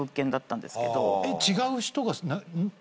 違う人が。